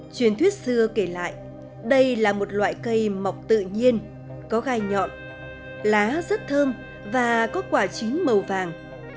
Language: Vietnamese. chuyến thuyết xưa kể lại đây là một loại cây mọc tự nhiên có gai nhọn lá rất thơm và có quả chín màu vàng